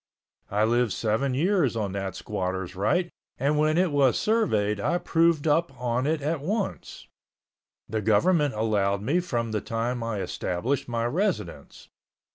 I lived seven years on that squatter's right and when it was surveyed I proved up on it at once. The government allowed me from the time I established my residence.